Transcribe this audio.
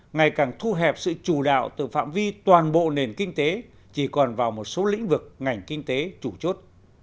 ngày càng thu hẹp sự chủ đạo từ phạm vi toàn bộ nền kinh tế chỉ còn vào một số lĩnh vực ngành kinh tế chủ chốt